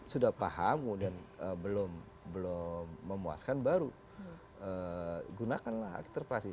sudah paham dan belum memuaskan baru gunakanlah akit terpelasi